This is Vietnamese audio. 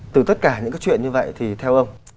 từ tất cả những cái chuyện như vậy thì theo ông